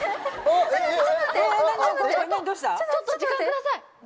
ちょっと時間をください。